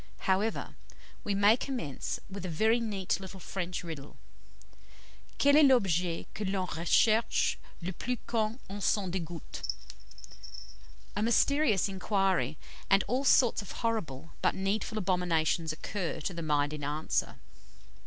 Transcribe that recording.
However, we may commence with a very neat little French riddle. "Quel est l'objet que l'on recherche le plus quand on s'en dégoûte?" A mysterious inquiry, and all sorts of horrible but needful abominations occur to the mind in answer.